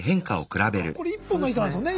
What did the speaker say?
これ１本の糸なんですもんね。